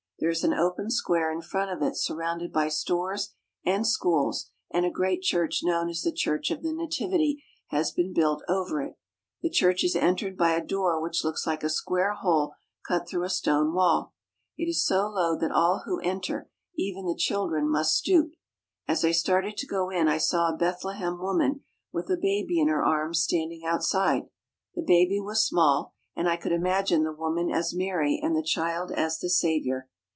There is an open square in front of it surrounded by stores and schools, and a great church known as the Church of the Nativity has been built over it. The church is entered by a door which looks like a square hole cut through a stone wall. It is so low that all who enter, even the children, must stoop. As I started to go in I saw a Bethlehem woman with a baby in her arms standing outside. The baby was small, and I could imagine the woman as Mary and the child as the Saviour.